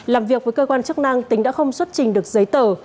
làm việc với cơ quan chức năng tính đã không xuất trình được giấy tờ